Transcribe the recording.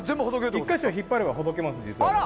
１か所引っ張れば実は、ほどけます。